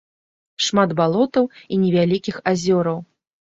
Шмат балотаў і невялікіх азёраў.